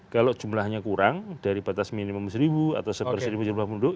kalau jumlahnya kurang dari batas minimum seribu atau seper seribu jumlah penduduk